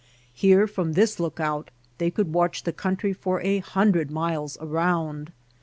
Here from this lookout they could watch the country for a hundred miles around.